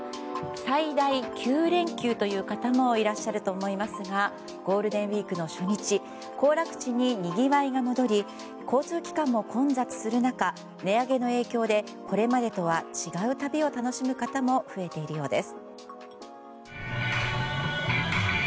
最大９連休という方もいらっしゃると思いますがゴールデンウィークの初日行楽地に、にぎわいが戻り交通機関も混雑する中値上げの影響でこれまでとは違う旅を楽しむ方も増えているようです。